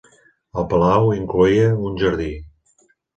El palau incloïa un jardí.